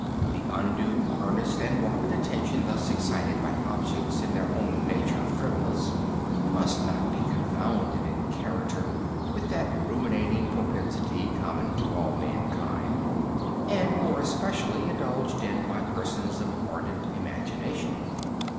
The undue, earnest, and morbid attention thus excited by objects in their own nature frivolous, must not be confounded in character with that ruminating propensity common to all mankind, and more especially indulged in by persons of ardent imagination.